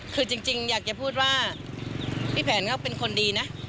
คือจริงอยากจะพูดว่าพี่แผนก็เป็นคนดีนะ